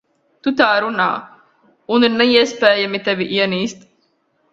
Tu tā runā, un ir neiespējami tevi ienīst.